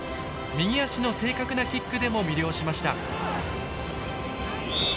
右足の正確なキックでも魅了しました。